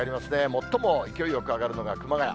最も勢いよく上がるのが熊谷。